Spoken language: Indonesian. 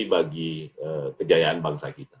bagi kejayaan bangsa kita